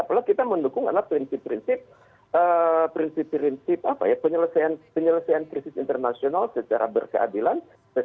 apalagi kita mendukung adalah prinsip prinsip penyelesaian krisis internasional secara berkeadilan